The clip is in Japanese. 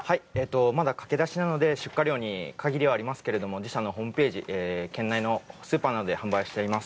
まだ駆け出しなので、出荷量に限りはありますけれども、自社のホームページ、県内のスーパーなどで販売しております。